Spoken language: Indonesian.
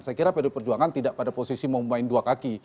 saya kira pd perjuangan tidak pada posisi mau main dua kaki